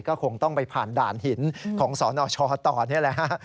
ก็คงต้องไปผ่านด่านหินของสนชต่อนี่แหละฮะ